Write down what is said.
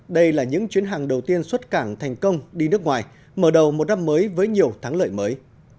đây là những chuyến hàng đầu tiên xuất cảng thành công đi nước ngoài mở đầu một năm mới với nhiều thắng lợi mới